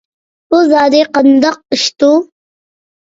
بۇ زادى قانداق ئىشتۇ؟